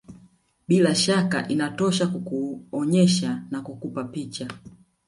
Bila shaka inatosha kukuonyesha na kukupa picha